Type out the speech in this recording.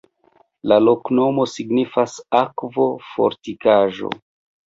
La loknomo signifas: akvo-fortikaĵo.